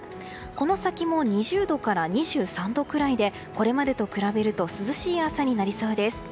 この先も２０度から２３度くらいでこれまでと比べると涼しい朝になりそうです。